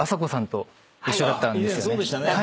以前そうでしたね。